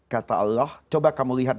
kata allah coba kamu lihat